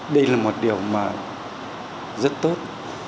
đây là một điều mà rất tốt